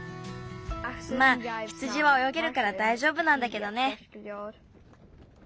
まあ羊はおよげるからだいじょうぶなんだけどね。